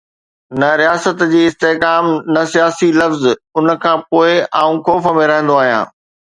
نه رياست جي استحڪام، نه سياسي لفظ، ان کان پوء آئون خوف ۾ رهندو آهيان.